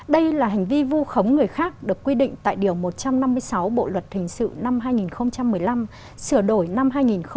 đây là hành vi vu khống người khác được quy định tại điều một trăm năm mươi sáu bộ luật hình sự năm hai nghìn một mươi năm sửa đổi năm hai nghìn một mươi bảy